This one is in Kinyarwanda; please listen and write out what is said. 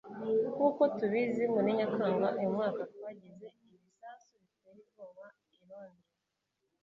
Nkuko tubizi muri Nyakanga uyu mwaka twagize ibisasu biteye ubwoba i Londres